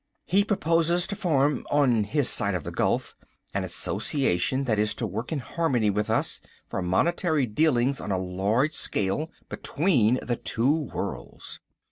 He proposes to form, on his side of the gulf, an association that is to work in harmony with us, for monetary dealings on a large scale, between the two worlds."